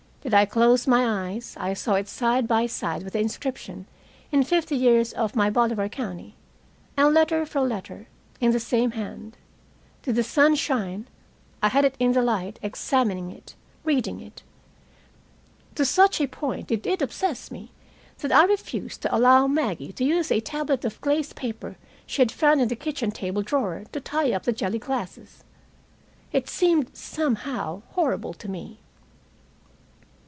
Did I close my eyes, I saw it side by side with the inscription in "Fifty years of my Bolivar County," and letter for letter, in the same hand. Did the sun shine, I had it in the light, examining it, reading it. To such a point did it obsess me that I refused to allow Maggie to use a tablet of glazed paper she had found in the kitchen table drawer to tie up the jelly glasses. It seemed, somehow, horrible to me.